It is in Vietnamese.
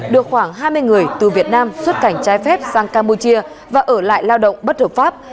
đưa khoảng hai mươi người từ việt nam xuất cảnh trái phép sang campuchia và ở lại lao động bất hợp pháp